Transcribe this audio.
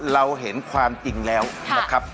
เราเห็นความจริงแล้วนะครับ